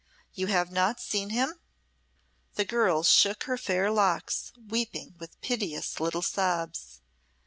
"You have not seen him?" The girl shook her fair locks, weeping with piteous little sobs.